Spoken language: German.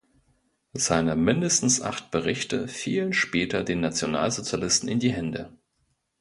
Seine mindestens acht Berichte fielen später den Nationalsozialisten in die Hände.